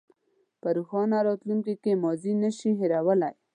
په روښانه راتلونکي کې ماضي نه شئ هېرولی.